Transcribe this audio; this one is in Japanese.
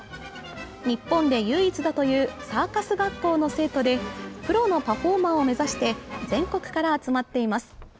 日本で唯一だというサーカス学校の生徒で、プロのパフォーマーを目指して、全国から集まっています。